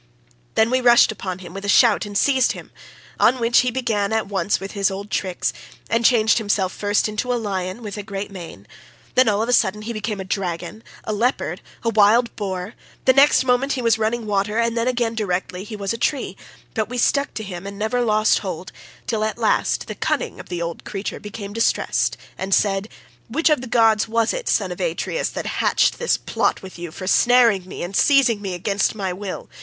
Then we rushed upon him with a shout and seized him; on which he began at once with his old tricks, and changed himself first into a lion with a great mane; then all of a sudden he became a dragon, a leopard, a wild boar; the next moment he was running water, and then again directly he was a tree, but we stuck to him and never lost hold, till at last the cunning old creature became distressed, and said, 'Which of the gods was it, Son of Atreus, that hatched this plot with you for snaring me and seizing me against my will?